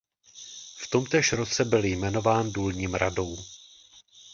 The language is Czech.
V tomtéž roce byl jmenován důlním radou.